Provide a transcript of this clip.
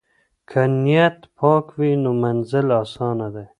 که نیت پاک وي نو منزل آسانه دی.